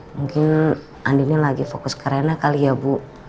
mungkin andinnya lagi fokus ke rena kali ya bu